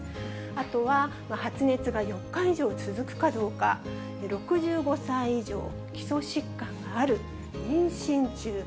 あとは、発熱が４日以上続くかどうか、６５歳以上、基礎疾患がある、妊娠中。